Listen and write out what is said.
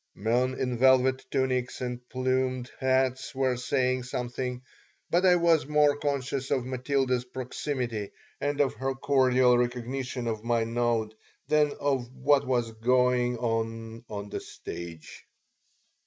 Men in velvet tunics and plumed hats were saying something, but I was more conscious of Matilda's proximity and of her cordial recognition of my nod than of what was going on on the stage.